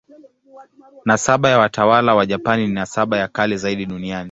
Nasaba ya watawala wa Japani ni nasaba ya kale zaidi duniani.